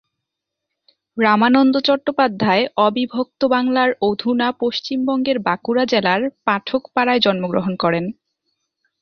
রামানন্দ চট্টোপাধ্যায় অবিভক্ত বাংলার অধুনা পশ্চিমবঙ্গের বাঁকুড়া জেলার পাঠকপাড়ায় জন্ম গ্রহণ করেন।